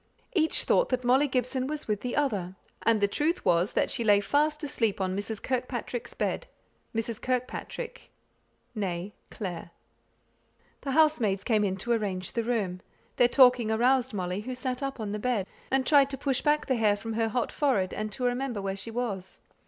Each thought that Molly Gibson was with the other, and the truth was, that she lay fast asleep on Mrs. Kirkpatrick's bed Mrs. Kirkpatrick nÄe Clare. The housemaids came in to arrange the room. Their talking aroused Molly, who sat up on the bed, and tried to push back the hair from her hot forehead, and to remember where she was.